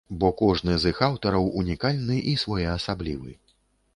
Бо кожны з іх аўтараў унікальны і своеасаблівы.